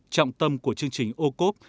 trọng tâm của chương trình ô cốp